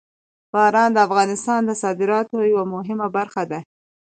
باران د افغانستان د صادراتو یوه مهمه برخه ده.